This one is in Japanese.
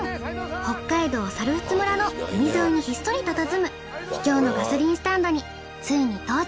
北海道猿払村の海沿いにひっそりたたずむ秘境のガソリンスタンドについに到着！